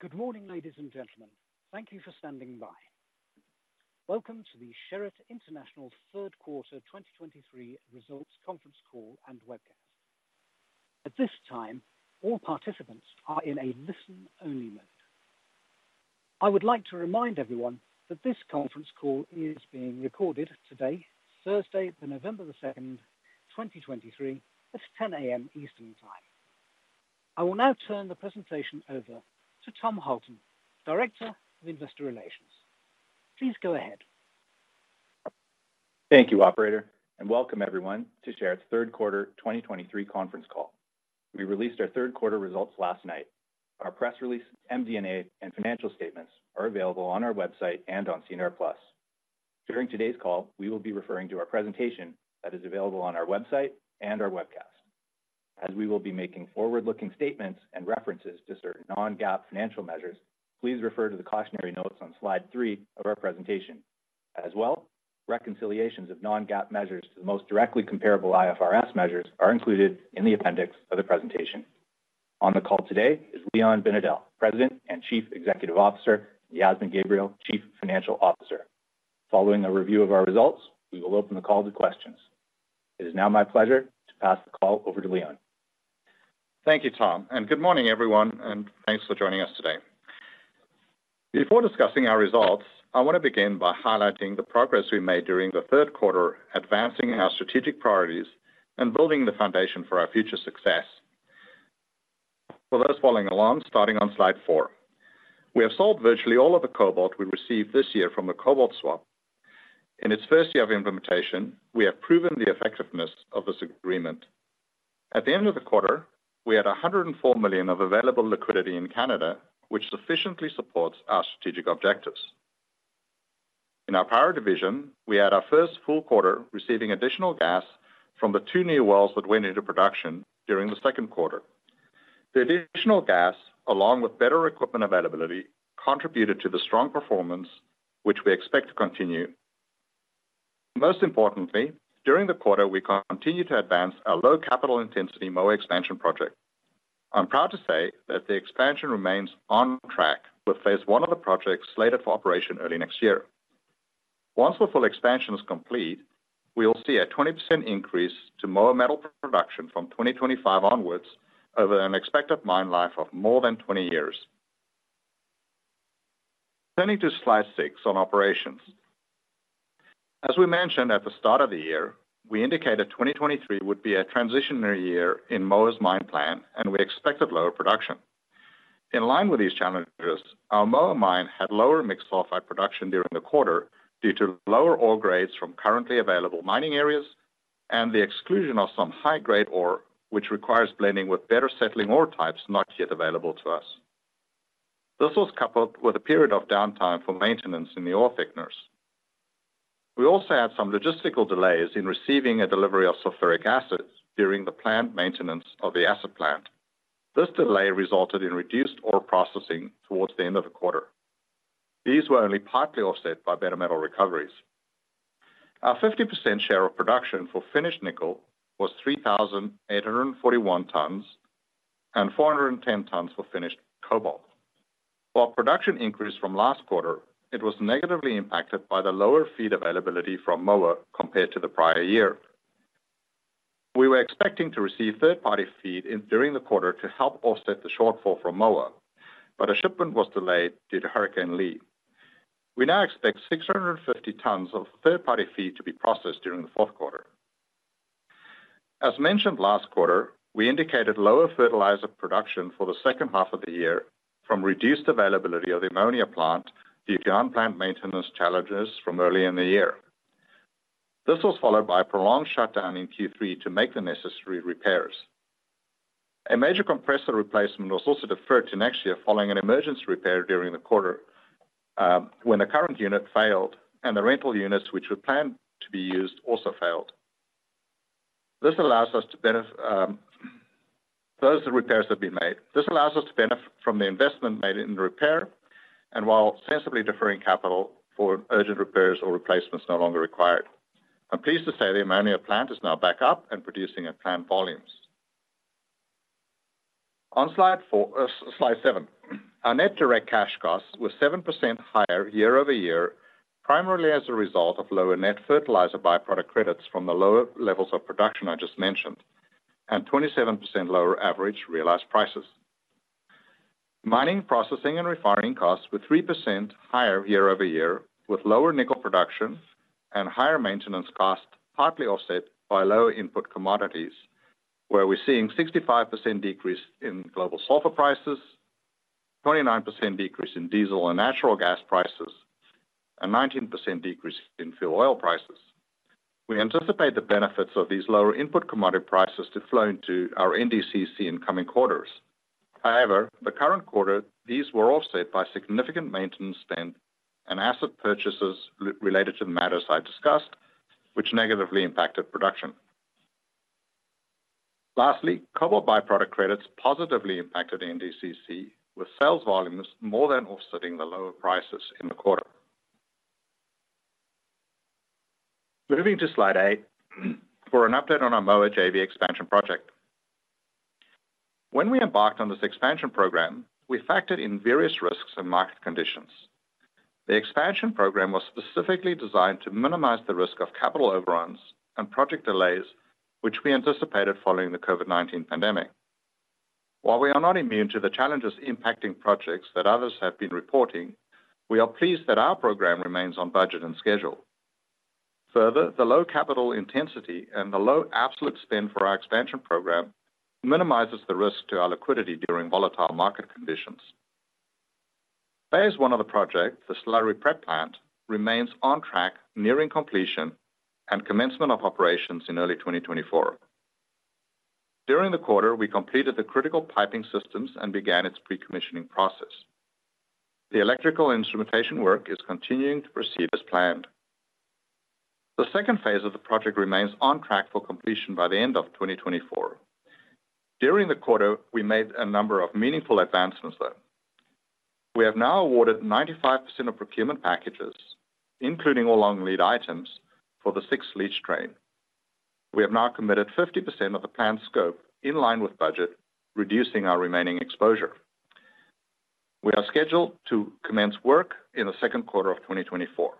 Good morning, ladies and gentlemen. Thank you for standing by. Welcome to the Sherritt International Third Quarter 2023 Results Conference Call and Webcast. At this time, all participants are in a listen-only mode. I would like to remind everyone that this conference call is being recorded today, Thursday, November 2, 2023, at 10 A.M. Eastern Time. I will now turn the presentation over to Tom Halton, Director of Investor Relations. Please go ahead. Thank you, operator, and welcome everyone to Sherritt's third quarter 2023 conference call. We released our third quarter results last night. Our press release, MD&A, and financial statements are available on our website and on SEDAR+. During today's call, we will be referring to our presentation that is available on our website and our webcast. As we will be making forward-looking statements and references to certain non-GAAP financial measures, please refer to the cautionary notes on slide 3 of our presentation. As well, reconciliations of non-GAAP measures to the most directly comparable IFRS measures are included in the appendix of the presentation. On the call today is Leon Binedell, President and Chief Executive Officer, and Yasmin Gabriel, Chief Financial Officer. Following a review of our results, we will open the call to questions. It is now my pleasure to pass the call over to Leon. Thank you, Tom, and good morning, everyone, and thanks for joining us today. Before discussing our results, I want to begin by highlighting the progress we made during the third quarter, advancing our strategic priorities and building the foundation for our future success. For those following along, starting on slide 4. We have sold virtually all of the cobalt we received this year from the Cobalt Swap. In its first year of implementation, we have proven the effectiveness of this agreement. At the end of the quarter, we had 104 million of available liquidity in Canada, which sufficiently supports our strategic objectives. In our power division, we had our first full quarter, receiving additional gas from the two new wells that went into production during the second quarter. The additional gas, along with better equipment availability, contributed to the strong performance, which we expect to continue. Most importantly, during the quarter, we continued to advance our low capital intensity Moa Expansion project. I'm proud to say that the expansion remains on track, with phase one of the projects slated for operation early next year. Once the full expansion is complete, we will see a 20% increase to Moa metal production from 2025 onwards over an expected mine life of more than 20 years. Turning to slide six on operations. As we mentioned at the start of the year, we indicated 2023 would be a transitionary year in Moa's mine plan, and we expected lower production. In line with these challenges, our Moa mine had lower mixed sulfide production during the quarter due to lower ore grades from currently available mining areas and the exclusion of some high-grade ore, which requires blending with better settling ore types not yet available to us. This was coupled with a period of downtime for maintenance in the ore thickeners. We also had some logistical delays in receiving a delivery of sulfuric acid during the plant maintenance of the acid plant. This delay resulted in reduced ore processing towards the end of the quarter. These were only partly offset by better metal recoveries. Our 50% share of production for finished nickel was 3,841 tons and 410 tons for finished cobalt. While production increased from last quarter, it was negatively impacted by the lower feed availability from Moa compared to the prior year. We were expecting to receive third-party feed during the quarter to help offset the shortfall from Moa, but a shipment was delayed due to Hurricane Lee. We now expect 650 tons of third-party feed to be processed during the fourth quarter. As mentioned last quarter, we indicated lower fertilizer production for the second half of the year from reduced availability of the ammonia plant due to unplanned maintenance challenges from early in the year. This was followed by a prolonged shutdown in Q3 to make the necessary repairs. A major compressor replacement was also deferred to next year following an emergency repair during the quarter, when the current unit failed and the rental units, which were planned to be used, also failed. Those repairs have been made. This allows us to benefit from the investment made in the repair and while sensibly deferring capital for urgent repairs or replacements no longer required. I'm pleased to say the ammonia plant is now back up and producing at planned volumes. On slide four, slide seven, our net direct cash costs were 7% higher year-over-year, primarily as a result of lower net fertilizer byproduct credits from the lower levels of production I just mentioned, and 27% lower average realized prices. Mining, processing, and refining costs were 3% higher year-over-year, with lower nickel production and higher maintenance costs, partly offset by lower input commodities, where we're seeing 65% decrease in global sulfur prices, 29% decrease in diesel and natural gas prices, and 19% decrease in fuel oil prices. We anticipate the benefits of these lower input commodity prices to flow into our NDCC in coming quarters. However, the current quarter, these were offset by significant maintenance spend and asset purchases re-related to the matters I discussed, which negatively impacted production. Lastly, cobalt byproduct credits positively impacted NDCC, with sales volumes more than offsetting the lower prices in the quarter. Moving to slide 8, for an update on our Moa JV expansion project. When we embarked on this expansion program, we factored in various risks and market conditions. The expansion program was specifically designed to minimize the risk of capital overruns and project delays, which we anticipated following the COVID-19 pandemic. While we are not immune to the challenges impacting projects that others have been reporting, we are pleased that our program remains on budget and schedule. Further, the low capital intensity and the low absolute spend for our expansion program minimizes the risk to our liquidity during volatile market conditions. Phase I of the project, the Slurry Prep Plant, remains on track, nearing completion and commencement of operations in early 2024. During the quarter, we completed the critical piping systems and began its pre-commissioning process. The electrical instrumentation work is continuing to proceed as planned. The second phase of the project remains on track for completion by the end of 2024. During the quarter, we made a number of meaningful advancements, though. We have now awarded 95% of procurement packages, including all long lead items, for the sixth Leach Train. We have now committed 50% of the planned scope in line with budget, reducing our remaining exposure. We are scheduled to commence work in the second quarter of 2024.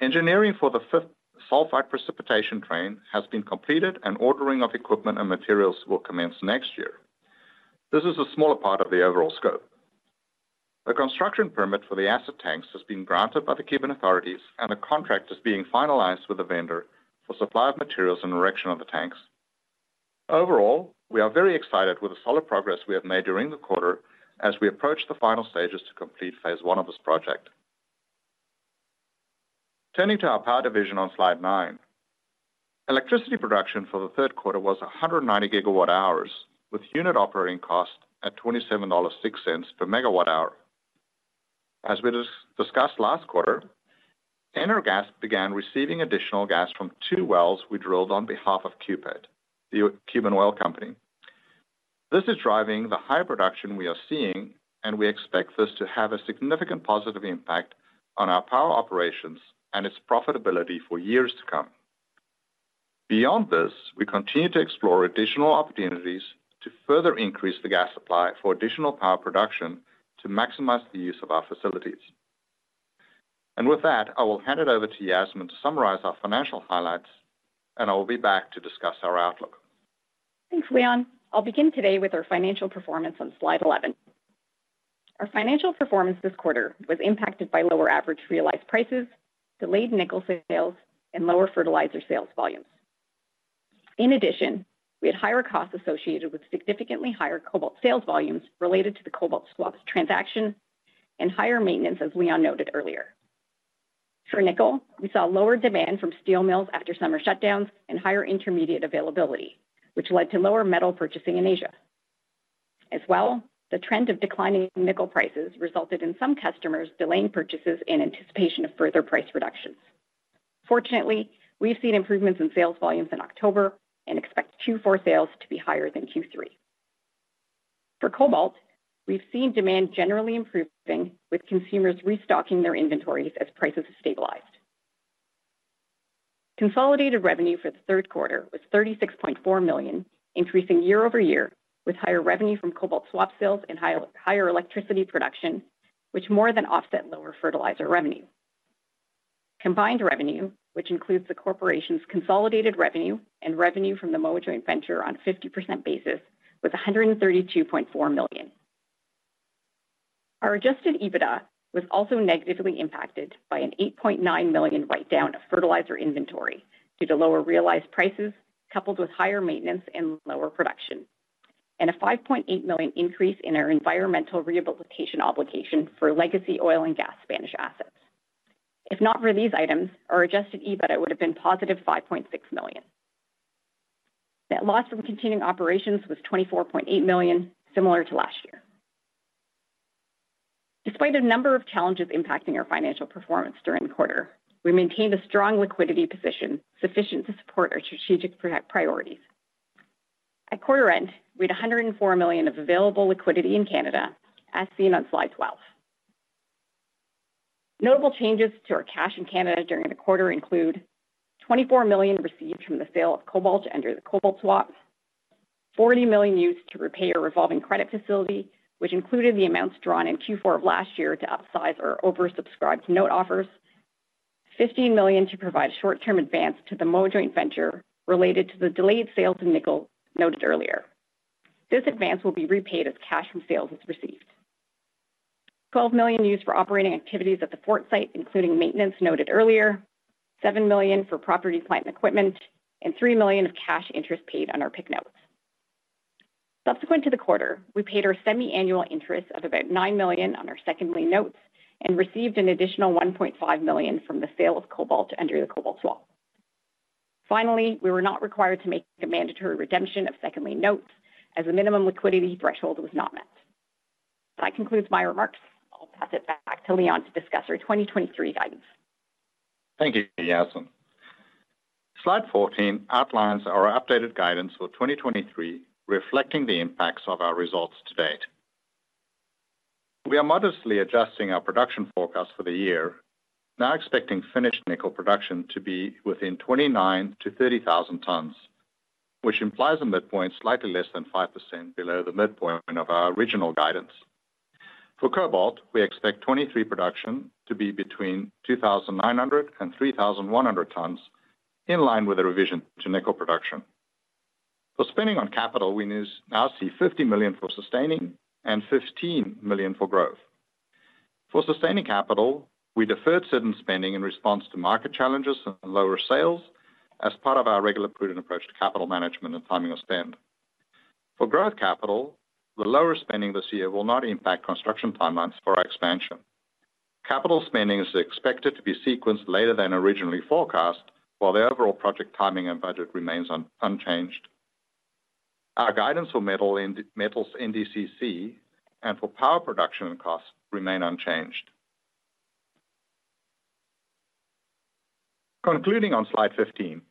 Engineering for the fifth Sulfide Precipitation Train has been completed, and ordering of equipment and materials will commence next year. This is a smaller part of the overall scope. A construction permit for the acid tanks has been granted by the Cuban authorities, and a contract is being finalized with the vendor for supply of materials and erection of the tanks. Overall, we are very excited with the solid progress we have made during the quarter as we approach the final stages to complete phase I of this project. Turning to our power division on slide 9. Electricity production for the third quarter was 190 GWh, with unit operating costs at $27.06 per MWh. As we discussed last quarter, Energas began receiving additional gas from two wells we drilled on behalf of CUPET, the Cuban oil company. This is driving the high production we are seeing, and we expect this to have a significant positive impact on our power operations and its profitability for years to come. Beyond this, we continue to explore additional opportunities to further increase the gas supply for additional power production to maximize the use of our facilities. With that, I will hand it over to Yasmin to summarize our financial highlights, and I will be back to discuss our outlook. Thanks, Leon. I'll begin today with our financial performance on slide 11. Our financial performance this quarter was impacted by lower average realized prices, delayed nickel sales, and lower fertilizer sales volumes. In addition, we had higher costs associated with significantly higher cobalt sales volumes related to the cobalt swaps transaction and higher maintenance, as Leon noted earlier. For nickel, we saw lower demand from steel mills after summer shutdowns and higher intermediate availability, which led to lower metal purchasing in Asia. As well, the trend of declining nickel prices resulted in some customers delaying purchases in anticipation of further price reductions. Fortunately, we've seen improvements in sales volumes in October and expect Q4 sales to be higher than Q3. For cobalt, we've seen demand generally improving, with consumers restocking their inventories as prices have stabilized. Consolidated revenue for the third quarter was 36.4 million, increasing year-over-year, with higher revenue from cobalt swap sales and higher electricity production, which more than offset lower fertilizer revenue. Combined revenue, which includes the corporation's consolidated revenue and revenue from the Moa joint venture on a 50% basis, was 132.4 million. Our adjusted EBITDA was also negatively impacted by an 8.9 million write-down of fertilizer inventory due to lower realized prices, coupled with higher maintenance and lower production, and a 5.8 million increase in our environmental rehabilitation obligation for legacy oil and gas Spanish assets. If not for these items, our adjusted EBITDA would have been positive 5.6 million. Net loss from continuing operations was 24.8 million, similar to last year. Despite a number of challenges impacting our financial performance during the quarter, we maintained a strong liquidity position, sufficient to support our strategic product priorities. At quarter end, we had 104 million of available liquidity in Canada, as seen on slide 12. Notable changes to our cash in Canada during the quarter include: 24 million received from the sale of cobalt under the Cobalt Swap, 40 million used to repay our revolving credit facility, which included the amounts drawn in Q4 of last year to upsize our oversubscribed note offers, 15 million to provide short-term advance to the Moa Joint Venture related to the delayed sales in nickel noted earlier. This advance will be repaid as cash from sales is received. 12 million used for operating activities at the Fort Site, including maintenance noted earlier, 7 million for property, plant, and equipment, and 3 million of cash interest paid on our PIK notes. Subsequent to the quarter, we paid our semi-annual interest of about 9 million on our second lien notes and received an additional 1.5 million from the sale of cobalt under the cobalt swap. Finally, we were not required to make a mandatory redemption of second lien notes, as the minimum liquidity threshold was not met. That concludes my remarks. I'll pass it back to Leon to discuss our 2023 guidance. Thank you, Yasmin. Slide 14 outlines our updated guidance for 2023, reflecting the impacts of our results to date. We are modestly adjusting our production forecast for the year, now expecting finished nickel production to be within 29,000-30,000 tons, which implies a midpoint slightly less than 5% below the midpoint of our original guidance. For cobalt, we expect 2023 production to be between 2,900-3,100 tons, in line with the revision to nickel production. For spending on capital, we now see 50 million for sustaining and 15 million for growth. For sustaining capital, we deferred certain spending in response to market challenges and lower sales as part of our regular prudent approach to capital management and timing of spend. For growth capital, the lower spending this year will not impact construction timelines for our expansion. Capital spending is expected to be sequenced later than originally forecast, while the overall project timing and budget remains unchanged. Our guidance for metals in NDCC and for power production costs remain unchanged. Concluding on slide 15,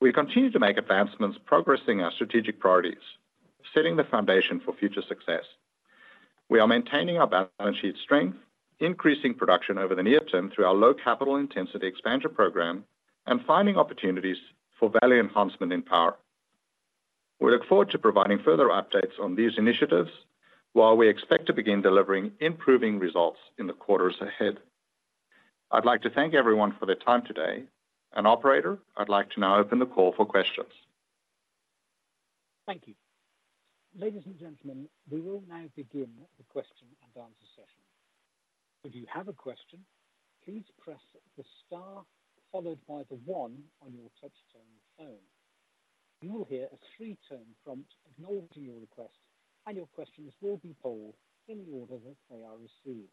we continue to make advancements progressing our strategic priorities, setting the foundation for future success. We are maintaining our balance sheet strength, increasing production over the near term through our low capital intensity expansion program, and finding opportunities for value enhancement in power. We look forward to providing further updates on these initiatives, while we expect to begin delivering improving results in the quarters ahead. I'd like to thank everyone for their time today, and operator, I'd like to now open the call for questions. Thank you. Ladies and gentlemen, we will now begin the question and answer session. If you have a question, please press the star followed by the one on your touchtone phone. You will hear a three-tone prompt acknowledging your request, and your questions will be polled in the order that they are received.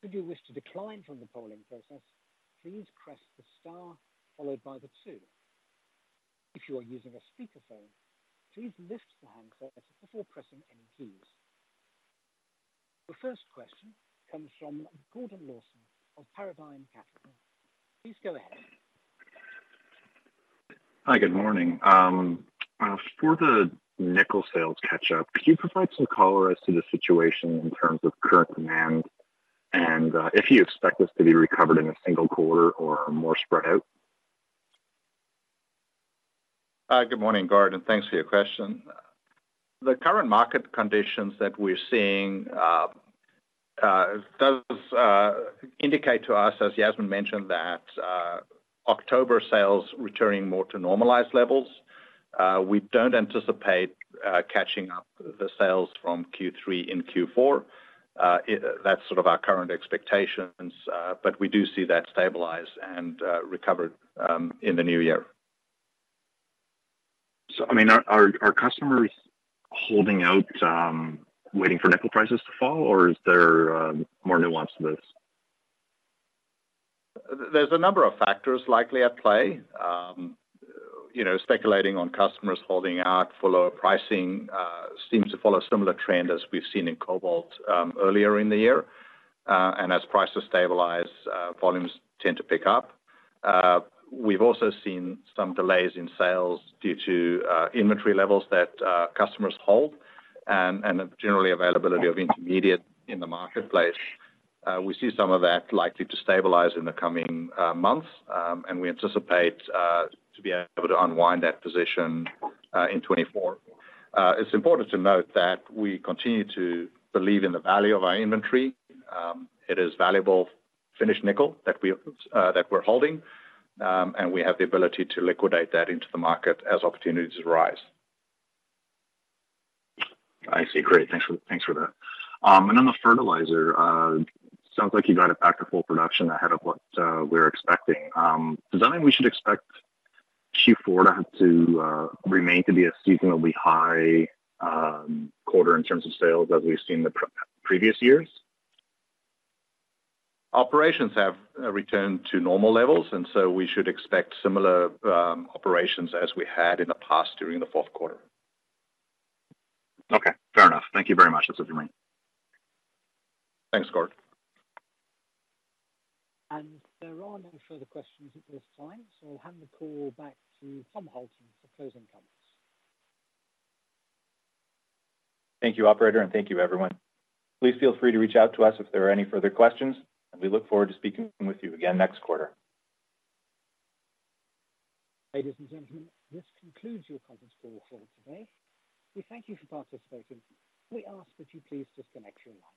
Should you wish to decline from the polling process, please press the star followed by the two. If you are using a speakerphone, please lift the handset before pressing any keys. The first question comes from Gordon Lawson of Paradigm Capital. Please go ahead. Hi, good morning. For the nickel sales catch-up, can you provide some color as to the situation in terms of current demand and if you expect this to be recovered in a single quarter or more spread out? Good morning, Gordon, and thanks for your question. The current market conditions that we're seeing does indicate to us, as Yasmin mentioned, that October sales returning more to normalized levels. We don't anticipate catching up the sales from Q3 and Q4. That's sort of our current expectations, but we do see that stabilize and recover in the new year. So I mean, are customers holding out, waiting for nickel prices to fall, or is there more nuance to this? There's a number of factors likely at play. You know, speculating on customers holding out for lower pricing seems to follow a similar trend as we've seen in cobalt earlier in the year. And as prices stabilize, volumes tend to pick up. We've also seen some delays in sales due to inventory levels that customers hold and generally availability of intermediate in the marketplace. We see some of that likely to stabilize in the coming months, and we anticipate to be able to unwind that position in 2024. It's important to note that we continue to believe in the value of our inventory. It is valuable finished nickel that we're holding, and we have the ability to liquidate that into the market as opportunities arise. I see. Great, thanks for that. And on the fertilizer, sounds like you got it back to full production ahead of what we were expecting. Is that when we should expect Q4 to remain to be a seasonally high quarter in terms of sales as we've seen in the previous years? Operations have returned to normal levels, and so we should expect similar operations as we had in the past during the fourth quarter. Okay, fair enough. Thank you very much. That's it for me. Thanks, Gordon. There are no further questions at this time, so I'll hand the call back to Tom Halton for closing comments. Thank you, operator, and thank you, everyone. Please feel free to reach out to us if there are any further questions, and we look forward to speaking with you again next quarter. Ladies and gentlemen, this concludes your conference call for today. We thank you for participating. We ask that you please disconnect your line.